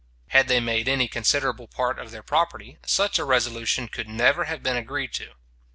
Had they made any considerable part of their property, such a resolution could never have been agreed to.